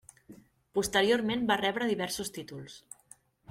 Posteriorment va rebre diversos títols.